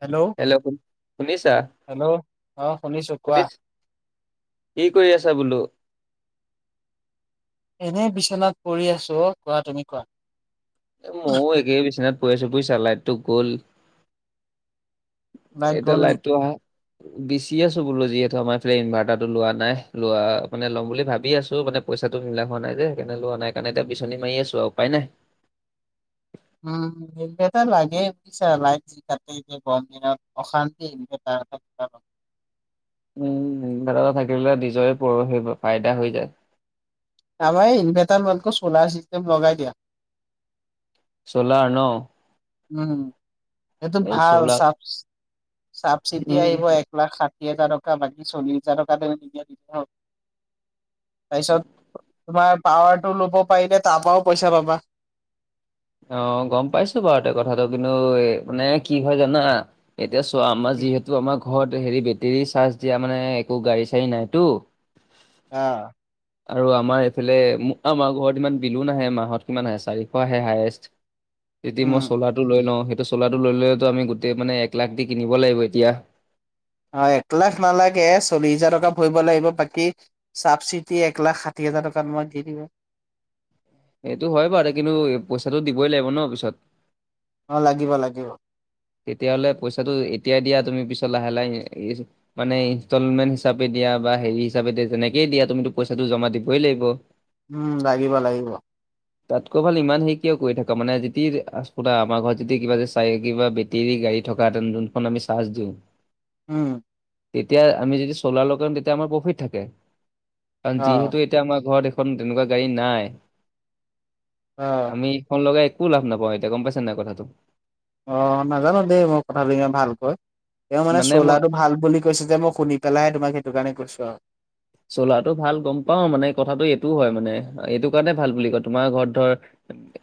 Hello হেল্ল'নি শুনিছা? Hello অ শুনিছো কোৱা শুনিছ কি কৰি আছা বোলো? এনেই বিচনাত পৰি আছো। অ' কোৱা তুমি কোৱা? এ ময়ো একেই বিচনাত পৰি আছো বুইছা লাইটতো গ'ল লাইট কেতিয়া গ'ল নেকি লাইটটো আহে? বিচি আছো বোলো, যিহেতু আমাৰ এইফালে ইনভাৰ্টাৰটো লোৱা নাই লোৱা মানে ল'ম বুলি ভাবি আছো মানে। পইচাটো মিলা হোৱা নাই যে সেইকাৰনে লোৱা নাই কাৰনে এয়া বিচনী মাৰি আছো আৰু উপায় নাই। উম, ইনৰ্ভাটাৰ লাগে? ছা লাইট যি কাটে এতিয়া গৰম দিনত অশান্তি, এনেও ইনৰ্ভাটাৰ এটা থকা দৰকাৰ। উম, ইনৰ্ভাটাৰ এটা থাকিলে নিজৰে ফাইদা হৈ যায়। আমাৰ এই ইনভাৰ্টাৰ লোৱাতকে চ'লাৰ চিষ্টেম লগাই দিয়া। চ'লাৰ ন? উম, সেইটো এই ভাল চ'লাৰ চা চাব চিতি উম আহিব প্লাছ ষাঠি হাজাৰ টকা বাকী চল্লিছ হাজাৰ টকা নিয়িলে তাৰপিছত তোমাৰ পাৱাৰ টো ল'ব পাৰিলে তাৰ পৰাওঁ পইচা পাবা। অ' গ'ম পাইছো বাৰু ত কথাটো, কিন্তু এই মানে কি হয় জানা এতিয়া চোৱা আমাৰ যিহেতু আমাৰ ঘৰত হেৰি বেটেৰী চাৰ্জ দিয়া মানে একো গাড়ী চাড়ী নাইতো অ, আৰু আমাৰ এইফালে আমাৰ ঘৰত ইমান বিলো নাহে মাহত কিমান আহে চাৰিশ আহে হায়েষ্ট। যদি উম মই চোলাৰ টো লৈ লওঁ সেইটো চোলাটো ল'লেতো আমি গোট মানে এক লাখ দি কিনিব লাগিব এতিয়া। অ, এককলাখ নালাগে চল্লিশ হোজাৰ টকা ভৰিব লাগিব বাকী ছাবচিডি এক লাখ ষাঠি হাজাৰ টকাত মই দি দিব এইটো হয় বাৰু কিন্তু পইচাটো দিবই লাগিব ন' পিছত? অ, লাগিব লাগিব। তেতিয়াহলে পইচাটো এতিয়াই দিয়া তুমি পিছত লাহে লাহে মানে ইনষ্টলমেণ্ট হিচাপে দিয়া বা হেৰি হিচাপে যেনেকে দিয়া তুমিতো পইচাটো জমা দিবই লাগিব। উম, লাগিব লাগিব। তাতকৈ ভাল ইমান হেৰি কিয় কৰি থাকা মানে যেতিয়া শুনা আমাৰ ঘৰত যেতিয়া কিবা যে চাই কিবা তিৰি গাড়ী থকাঁতেন যোনখন আমি চাৰ্জ দিওঁ। উম, তেতিয়া আমি যদি চলাৰ লগাম তেতিয়া আমাৰ প্ৰফিট থাকে অ কাৰণ যিহেতু এতিয়া আমাৰ ঘৰত এখন তেনেকুৱা গাড়ী নাই অ, আমি এখন লগাই একো লাভ নাপাওঁ এতিয়া গম পাইছে নাই কথাটো। অ, নাজানো দেই মই কথাটো ভালকৈ তেওঁ মানে চলাৰটো ভাল বুলি কৈছে যে মই শুনি পেলাই তোমাক সেইটো কাৰণে কৈছো আৰু চলাৰটো ভাল গম পাও মানে কথাটো এইটোও হয় মানে এইটো কাৰণে ভাল বুলি কয় তোমাৰ ঘৰত ধৰ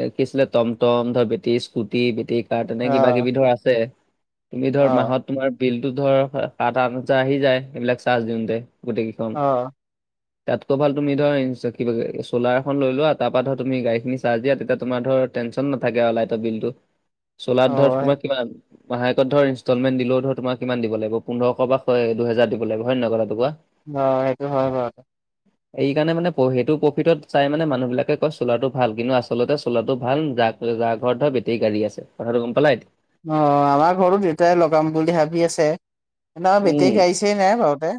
এ কি আছিলে ট'ম ট'ম ধৰ বেটাৰী স্কুটি বেটাৰী তাৰ তেনে অ কিবা কিবি ধৰ আছে তুমি ধৰ অ মাহত তোমাৰ বিলতো ধৰ সাত আঠ হাজাৰ আহি যায় এইবিলাক চাৰ্জ দিওঁতে গোটেই কেইখন অ, তাতকৈ ভাল তুমি ধৰা চলাৰখন লৈ লোৱা আৰু তাৰ পৰাৰা ধৰ তুমি গাড়ীখিনি চাৰ্য দিয়া তেতিয়া তোমাৰ ধৰ টেনচন নথাকে আৰু লাইটৰ বিল টো। [inaudible] চলাৰত ধৰ তোমাৰ কিমান মাহেকত ধৰ ইনষ্টলমেণ্ট দিলেও ধৰ তোমাক কিমান দিব লাগিব পোন্ধৰশ বা হয় দুহেজাৰ দিব লাগিব হয় নাই কথাটো কোৱা। অ, সেইটো হয়, হয়। এইকাৰণে মানে সেইটো প্ৰফিটত চাই মানে মানুহ বিলাকে কয় চোলাৰটো ভাল কিন্তু আচলতে চোলাৰটো ভাল যাক যাৰ ঘৰতৰ ধৰ বেটেৰী গাড়ী আছে কথাটো গম পালা এতিয়া। অঁ, আমাৰ ঘৰটো দেউতাই লগাম বুলি ভাবি আছে কিন্তু আমাৰ উম। বেটেৰী গাড়ী চাড়ী নাই বাৰুতে।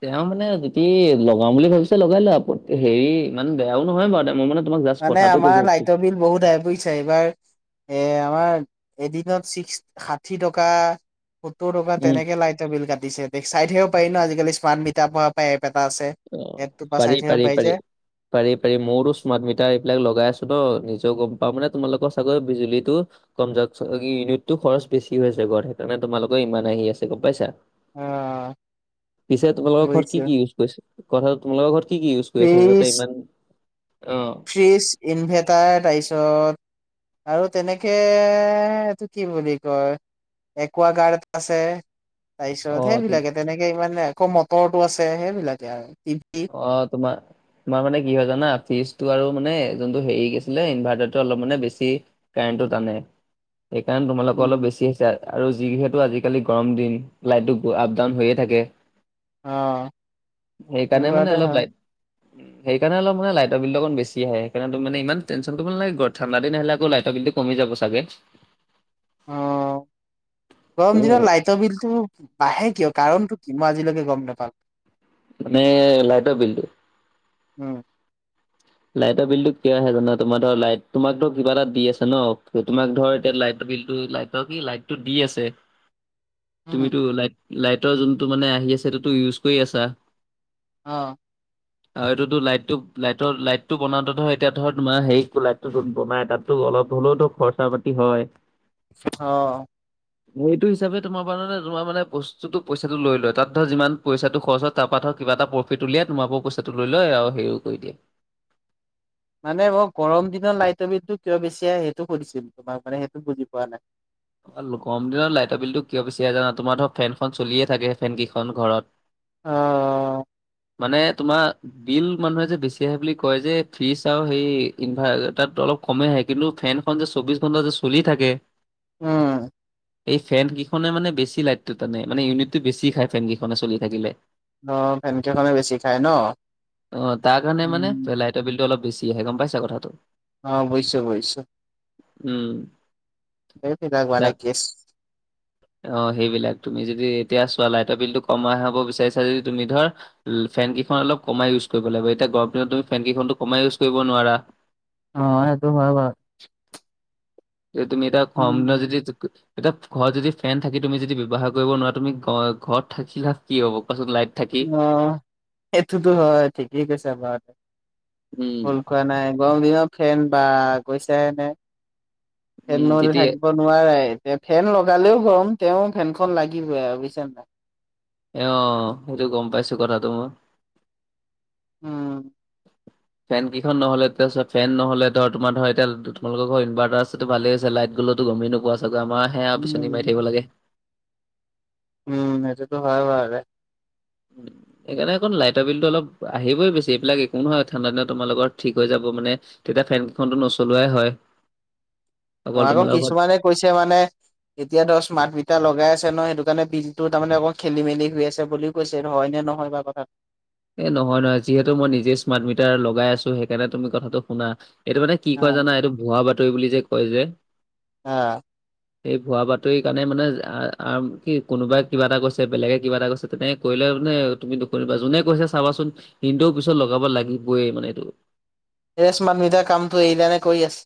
তেওঁ মানে যদি লগাম বুলি ভাবিছে লগাই লোৱা হেৰি ইমান বেয়াও নহয় বাৰু মই মানে তোমাক জাষ্ট মানে কথাটো আমাৰ কৈছো। লাইটৰ বিল বহুত আহে বুজিছা এইবাৰ এ আমাৰ এদিনত ছিক্স ষাঠি টকা সত্তৰ টকা উম। তেনেকে লাইটৰ বিল কাটিছে দে চাই থাকিব পাৰি ন আজিকালি স্মাৰ্ট মিটাৰ পৰা এপ এটা আছে। অ, এপটোৰ পৰা পাৰি চাই থাকিব পাৰি পাৰি। যে পাৰি পাৰি মোৰোটো স্মাৰ্ট মিটাৰ এইবিলাক লগাই আছো ন' নিজেও গম পাও মানে তোমালোকৰ চাগৈ বিজুলীতো কম য ইউনিতটো খৰচ বেছি হৈ আছে ঘৰত সেইকাৰণে তোমালোকেও ইমান আহি আছে গম পাইছা। অ' পিছে তোমালোকৰ ঘৰত কি বুজিছো কি কথা তোমালোকৰ ঘৰত কি কি ইউজ কৰি আছা যাতে ফ্ৰিজ ইমান অ' ফ্ৰিজ ইনভাৰটাৰ তাৰপিছত আৰু তেনেকে এইটো কি বুলি কয় একুৱ গাৰ্ড আছে। তাৰ অ পিছত তুম সেইবিলাকে তেনেকে ইমানে আকৌ মটৰটো আছে সেইবিলাকে আৰু টিভি। অ, তোমাৰ তোমাৰ মানে কি হয় জানা ফ্ৰিজটো আৰু মানে যোনটো হেৰি গ আছিলে ইনভাৰ্টাৰ অলপ মানে বেছি কাৰেণ্টো টানে সেইকাৰণে তোমালোকৰ অলপ উম, বেছি হৈছে আৰু যিহেতু আজিকালি গৰম দিন লাইটটো আপ ডাউন হৈয়ে থাকে। অ। সেইকাৰণে মান এনেকুৱাতে অলপ লাইট [inaudible] সেইকাৰণে অলপ মান লাইটৰ বিলটো অকণ বেছি আহে সেইকাৰনে তুমি মানে ইমান টেনচন কৰিব নালাগে ঠাণ্ডা দিন আহিলে আকৌ লাইটৰ বিলটো কমি যাব চাগে। অ, গৰম দিনত উম, লাই বিলতো বাঢ়ে কিয় কাৰণটো কি মই আজিলৈকে গম নাপাওঁ। মানে লাইটৰ বিলটো? উম, লাইটৰ বিলতো কিয় আহে জানো তোমাৰ ধৰ লাইট তোমাক ধৰ কিবা এটা দি আছে ন তোমাক ধৰ এতিয়া লাইট বিলতটো লাইটৰ কি লাইটটো দি আছে, উম, তুমিতো লাইট লাইটৰ যোনটো মানে আহি আছে সেটোতো ইউজ কৰি আছা, অ, আৰু এইটোতো লাইট টো লাইটৰ লাইট টো বনাতে ধৰ এতিয়া ধ তোমাৰ হেৰি ক লাইটটো জুন্ বনাই তাতো অলপ হ'লেও তো খৰচা পাতি হয়। অ, এইটো হিচাপে তোমাৰ মানে তোমাৰ মানে বস্তুতটো পইচাটো লৈ লয় তাত ধৰ যিমান পইচাটো খৰচত তা পা ধৰ কিবা এটা প্ৰফিট উলিয়াই তোমাৰ পৰা পইচাটো লৈ লয় আও হেৰিও কৰি দিয়ে। মানে মই গৰম দিনত লাইটৰ বিলটো কিয় বেছি আহে সেইটো সুধিছিলো তোমাক মানে সেইটো বুজি পোৱা নাই। গৰম দিনত লাইটৰ বিলটো কিয় বেছি আহে জানা, তোমাৰ ধৰ ফেনখন চলিয়ে থাকে ফেন কেইখন ঘৰত। আ অহ। মানে তোমা বিল মানুহে যে বেছি আহে বুলি কয় যে ফ্ৰিজ আৰু সেই ইনভাৰ্টাৰটো অলপ কমে আহে কিন্তু ফেনখন যে চৌবিশ ঘণ্টা যে চলি থাকে। উম। এই ফেন কেইখনে মানে বেছি লাইটটো টানে মানে ইউনিটো বেছি খাই ফেন কেইখনে চলি থাকিলে। ধ ফেন কেইখনে বেছি খাই ন। উম তে বিলটো অলপ বেছি আহে গম পাইছোঁ কথাটো। অ বুজিছোঁ বুজিছোঁ, উম সেইবিলাক তাক মানে কেছ- [inaudible] অ সেইবিলাক তুমি যদি এতিয়া চোৱা লাইটৰ বিলটো কম আহব বিচাৰিছা যদি তুমি ধৰ ফেনকেইখন অলপ কমাই ইউজ কৰিব লাগিব, এতিয়া গৰম দিনত তুমি ফেন কেইখন কমাই ইউজ কৰিব নোৱাৰা। অ সেইটো বাৰত। যে তুমি এটা উম, [unintelligible] এতিয়া ঘৰত যদি ফেন থাকি তুমি যদি ব্যৱহাৰ কৰিব নোৱাৰা। তুমি ঘ ঘৰত থাকি কি হ'ব কোৱাচোন লাইট থাকি। অ এইটোত হয় ঠিকেই কৈছে বাট উম, হলক বা নাই গৰম দিনত ফেন বা গৈছে এনে ফেন উম। নহ'লে যেতিয়া থাক- অ নোৱাৰে তে ফেন লগালেও গৰম তেওঁ ফেনখন লাগিবই আৰু বুইছা নাই। এ অ সেইটো গম পাইছো কথাটো ম উম। ফেন কেইখন নহলে এতিয়া চোৱা ফেন নহ'লে ধৰ দু তোমালোকৰ ইনভাৰ্টাৰ আছে টো ভালে আছে লাইট গলটো গমেই নোপোৱা চাগৈ আমাৰ সেয়া বিচনি মাৰি উম থাকিব লাগে। উম সেইটোত বাৰে [inaudible] সেইকাৰেণ লাইটৰ বিলতো অলপ আহিবই বেছি এইবিলাক একো নহয় ঠাণ্ডা দিনত তোমালোকৰ ঠিক হৈ যাব মানে তেতিয়া ফেনকেইখনটো নচলোৱাই হয়। অকল আকৌ তোমালোকৰ ঘৰত কিছুমানে কৈছে মানে এতিয়া ধৰ স্মাৰ্ট মিটাৰ লগাই আছে ন সেইটো কাৰণে বিলটো তাৰমানে অকণমান খেলি মেলি হৈ আছে বুলি কৈছে হয় নে নহয় বা কথাত। এ নহয় নহয় যিহেতু মই নিজে স্মাৰ্ট মিটাৰ লগাই আছো, সেইকাৰণে তুমি কথাটো শুনা। এইটো মানে কি অ কয় জানা, এইটো ভুৱা বাতৰি বুলি যে কয় যে আ। এই ভুৱা বাতৰি কাৰণে মানে আ আম কি কোনোবাই কিবা এটা কৈছে বেলেগে কিবা এটা কৰিছে তেনে কৰিলে মানে তুমি দুখ কৰিবা, যোনে কৈছে চাবাচোন কিন্তু পিছত লগাব লাগিবই মানে এইটো। এ স্মাৰ্ট মিটাৰ কামটো এৰিলা নে কৰি আছা।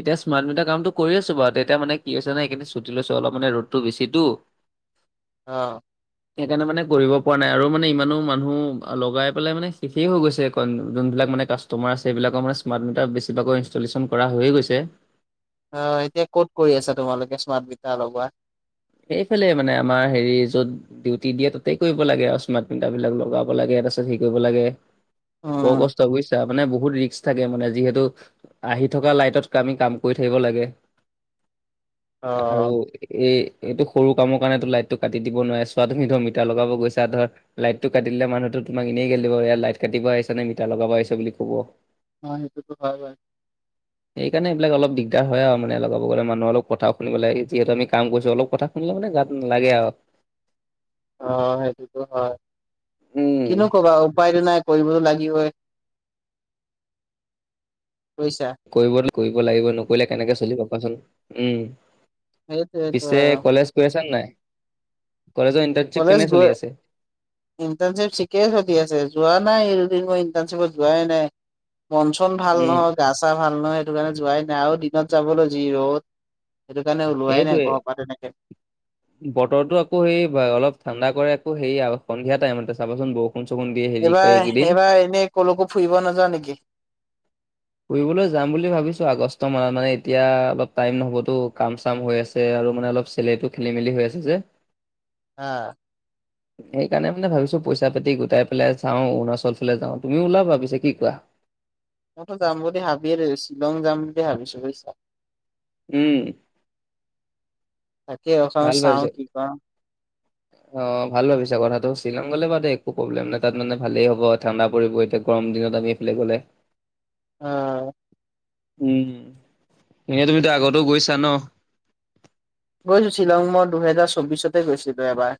এতিয়া স্মাৰ্ট মিটাৰ কামটো কৰি আছো বাৰু তেতিয়া মানে কি হৈছে ন এইকেইদিন চুটি লৈছো অলপ মানে ৰদটো বেছি টো। অ, সেইকাৰণে মানে কৰিব পৰা নাই আৰু মানে ইমানো মানুহ লগাই পেলাই মানে শেষেই হৈ গৈছে কণ যোনবিলাক মানে কাস্ট মাৰ আছে এইবিলাকৰ মানে স্মাৰ্ট মিটাৰ বেছি ভাগৰ ইনষ্টলেশ্যন কৰা হৈ গৈছে। অ, এতিয়া ক'ত কৰি আছা তোমালোকে স্মাৰ্ট মিটাৰ লগোৱা? সেইফালে মানে আমাৰ হেৰি য'ত ডিউটি দিয়ে তাতেই কৰিব লাগে আৰু স্মাৰ্ট মিটাৰ বিলাক লগাব লাগে তাৰপাছত হেৰি কৰিব লাগে, বৰ উম কষ্ট বুজিছা মানে বহুত ৰিক্স থাকে মানে যিহেতু আহি থকা লাইটত আমি কাম কৰি থাকিব লাগে, অ আৰু, এই এইটো সৰু কামৰ কাৰণেতো লাইট টো কাটি দিব নোৱাৰে চোৱা তুমি ধৰ মিটাৰ লগাব গৈছা ধৰ, লাইটটো কাট দিলে মানুহেটো তোমাক এনেই গালি দিব এয়া লাইট কাটিব আহিছ নে মিটাৰ লগাব আহিছে বুলি ক'ব। অ, সেইটোতো হয় বাৰু। সেইকাৰণে এইবিলাক অলপ দিগদাৰ হয় আৰু মানে লগাব গলে মানুহ অলপ কথাও শুনিব লাগে যিহেতু আমি কাম কৰিছোঁ অলপ কথা শুনিলে মানে গাত না লাগে আৰু। অ, সেইটোতো হয় উম। কিনো কবা উপায়টো নাই। কৰিবতো লাগিবই। বুজিছা? কৰিব কৰিব লাগিব নকৰিলে কেনেকে চলিব কোৱাচোন। উম, সেইটোৱেটো পিছে কলেজ গে আছা নে নাই? কলেজৰ ইন্টাৰ কলেজ গৈ ইণ্টাৰ্ণশ্বপ থিকেই চলি আছে যোৱা নাই এইদিন মই ইন্টাৰ্ণশ্বিপত যোৱাই নাই। মন চন ভাল উম নহয় গা চা ভাল নহয় সেইটো কাৰণে যোৱাই নাই আৰু দিনত যাবলৈ যি ৰদ। সেইটো কাৰণে ওলোৱাই নাই ঘৰৰ পৰা তেনেকে। বতৰতো আকৌ সেই অলপ ঠাণ্ডা কৰে আকৌ সেইয়া সন্ধিয়া টাইমতে চাবাচোন বৰষুণ ষুণ চষুণ দিয়ে হেৰি ক একেইদিন, কলকো ফুৰিব নাজাও নে কি? ফুৰিবলৈ যাম বুলি ভাবিছোঁ আগষ্ট মাহত মানে এতিয়া অলপ টাইম নহবতো কাম চাম হৈ আছে। আৰু মানে অলপ চেলাৰিটো খেলি মেলি হৈ আছে যে। হা, সেইকাৰণে মানে ভাবিছো পইচা পাতি গোটাই পেলাই যাওঁ অৰুনাচল ফালে যাওঁ, তুমিও ওলাবা পিছে কি কোৱা? মইতো যাম বুলি ভাবি থৈছো শ্বিলং যাম বুলি ভাবিছো বুজিছা। উম তাকে ৰচোন ভাল চাওঁ ভাবিছা কি কওঁ অ', ভাল ভাবিছা কথাটো শ্বিলং গলে বা দেই একো প্ৰব্লেম নাই তাত মানে ভালেই হ'ব ঠাণ্ডা পৰিব এতিয়া গৰম দিনত আমি তালে গ'লে অ' উম এনে তুমিতো আগতেও গৈছা ন গৈছো শ্বিলং মই দুহেজাৰ চৌববিশতে গৈছিলো এবাৰ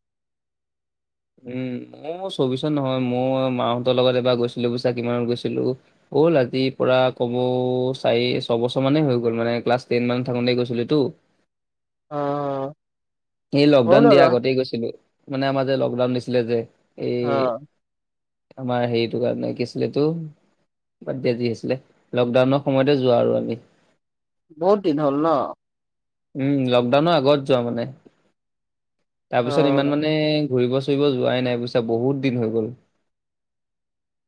উম মোৰ চৌবিশত নহয় মই মাহঁতৰ লগত এবাৰ গৈছিলো বুইছা কিমানত গৈছিলো হ'ল আজি পৰা ক'মেও চাৰি ছবছৰ মানেই হৈ গ'ল মানে ক্লাছ টেন মান থাকোতে গৈছিলো তো অ' এই হ'ল লকডাউন দিয়া আৰু আগতেই গৈছিলো মানে আমাৰ যে লকডাউন দিছিলে যে এই অ আমাৰ হেৰিটো কাৰণে কি আছিলে এতো বাদ দিয়া যি আছিলে লকডাউনৰ সময়তে যোৱা আৰু আমি বহুত দিন হ'ল ন উম লকডাউনৰ আগত যোৱা মানে অ তাৰপিছত ইমান মানে ঘূৰিব চুৰি ব যোৱাই নাই বুইছা বহুত দিন হৈ গ'ল।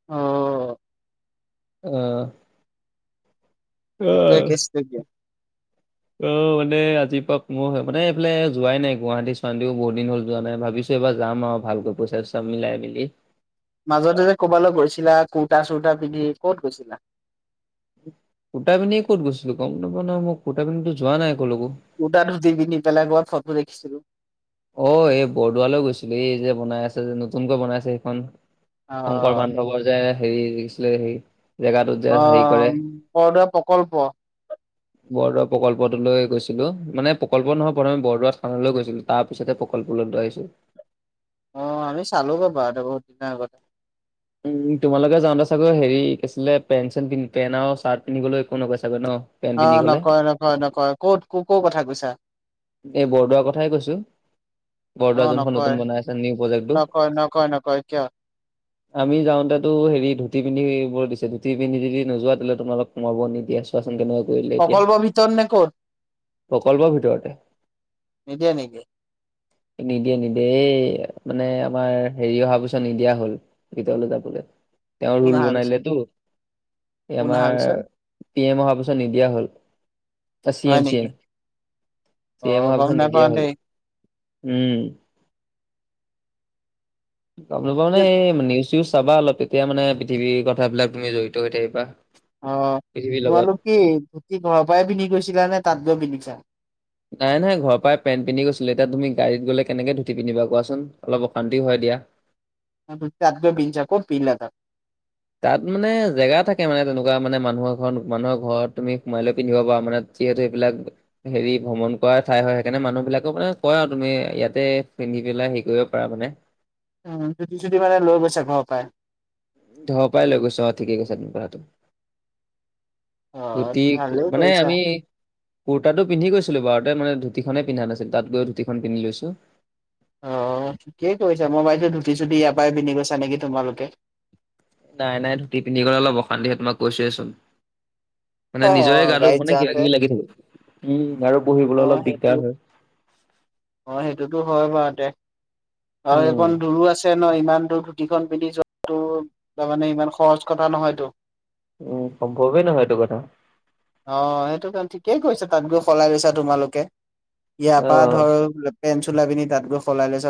অ' অহ এ কেছ অ', মানে আজি পাক মোৰ মানে এইফালে যোৱাই নাই গুৱাহাটী চোৱীও বহুত দিন হল যোৱা নাই ভাবিছো বাৰ যাম আৰু ভালকৈ পইচাই চব মিলাই মিলি মাজতে যে ক'ৰবালৈ গৈছিলা কুৰ্তা চুুৰ্তা পিন্ধি ক'ত গৈছিলা সুটা পন্ধিয়ে ক'ত গৈছিলো গম নাপা ন মই সুটা পিনধিো যোৱা নাই একো ডাৰো দিবি বেললেগৰ ফটো দেখিছিলো অ', এই বৰদোৱালৈ গৈছিলো এই যে বনাই আছে যে নতুনকৈ বনাইছে সেইখন শংকৰ অ' বান্ধৱৰ যে হেৰি লখিছিলে হেৰি জেগাটোত যে হেৰি কৰে অ', বৰদোৱা প্ৰকল্প বৰদোৱা প্ৰকল্পটো লৈ গৈছিলো মানে প্ৰকল্প নহয় প্ৰথমে বৰদোৱা থানলৈ গৈছিলো তাৰ পিছতে প্ৰকল্পলৈ লৈ আহিছো অ', আমি চালো গ' বাৰুতে বহুত দিনৰ আগতে উম তোমালোকে যাওঁতে চাগৈ হেৰি কিছিলে পেঞ্চিলন্ধ পেন আৰু চাৰ্ট পিন্ধিবলৈ একো নকয় চাগৈ ন পেন্ট পিন্ধি অ', গ'লে নকয় -নকয় -নকয় -কত ক -ক' -কথা কৈছা? এই বৰদোৱাৰ কথাই কৈছো বৰদোৱা অ' যোনখন নকয় নতুন বনাই আছে নিউ প্ৰজেক্টটো নকয় নকয় নকয় কিয় আমি যাওঁতে তো হেৰি ধুতি পিন্ধিবোৰ দিছে ধুতি পিন্ধি যদি নোৱা তেতিলে তোমালোকক সোমাব নিদিয়াছ তেনেকুৱা কৰিলে এতিয়া প্ৰকল্পৰ ভিতৰত নে ক'ত প্ৰকল্পৰ ভিতৰতে নিদিয়ে- নিদিয় নিদিয়ে -নিদিয়ে -এই মানে আমাৰ হেৰি অহাৰ পিছত নিদিয়া হল গীতলৈ যাবলৈ তেওঁ কোন ৰোল অহাৰ পিছত বনাইলেতো এই কোন আমাৰ অহাৰ পিছত তিনি এমাহৰ পিছত নিদিয়া হ'ল চি হয় এম -চি নেকি এম -চি এম অ' -অহাৰ গম পিছত নিদিয়া নাপাওঁ হ'ল দেই উম গমো পা মানে নিউজ চউজ চাবা অলপ এতিয়া মানে পৃথিৱীৰ কথাবিলাক তুমি জড়িত হৈ থাকিবা পৃথিৱীৰ লগত তোমালোক কি ধুতি ঘৰৰ পৰাই পিন্ধি গৈছিলা নে তাত গৈ পিন্ধিছা নাই -নাই -ঘৰ পৰাই পণ্ট পিন্ধি গৈছিল এতিয়া তুমি গড়ী গলে কেনেকে ধুতি পিন্ধিবা কোৱাচোন অলপ অশান্ত হয় দিয়া তাতগৈ পিধিচা কত পিন্ধিছা তাত তাত মানে জেগা থাকে মে তেনেকুৱা মানে মানুহৰ ঘৰত মানুহৰ ঘৰত তুমি সোমাই পিন্ধিব পাৰা মানে যিহেতু এইবিলাক হেৰি ভ্ৰমণ কৰা ঠাই হয় সেইকাৰণে মানুহ বিলাকেও মানে কয় আৰু তুমি ইয়াতে পিন্ধি পেলাই হেৰি কৰিব পাৰা মানে উম যুদি চুদি মানে লৈ বৈছোক ঘৰ পায়। ধৰ পাই লৈ গৈছ অ ঠিকে আছে তু তো অ ততি ভালেই মানে কৰিছা আমি কুৰ্তটোিন্ধি গৈো বাৰতে মান ধুতিনে পন্া নাছিল তাত গৈ ধুতিখন পিধি লৈছো। অ, ঠিকেই কৈছা মই বাইদেউ ধুতিছদি ইয়াৰ পৰাই পিন্ধিৈছা নেকি তোমালোকে। নাই -নাই -ধুতি পিন্ধি গলে অল অশান্তি হয় তোাক কৈছোৱেছোন। মানে অ নিজৰে গাটো গাড়ীত মানে কিবা যাওঁতে কিবি লাগি থাক উম আৰু অ পঢ়িবলৈ অলপ সেইটো দিগদাৰ হয়। অ, সেইটোতো হয় বাৰু দে আৰু উম এইকখন দুৰো আছে। ন ইমান দূৰ ধুতিখন পিন্ধি যোৱাটো তাৰ মানে ইমান সহজ কথা নহয়তো [inaudible] উম, সম্ভৱেই নহয় এইটো কথা। অ, সেইটো কাৰণ ঠিকেই কৈছে তাত গৈ সলাই লৈছা তোমালোকে ইয়াৰপাত অ ধৰ পেন চোলাই পিনি তাত গৈ সলাই লৈছা।